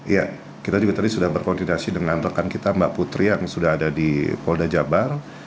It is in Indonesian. ya kita juga tadi sudah berkoordinasi dengan rekan kita mbak putri yang sudah ada di polda jabar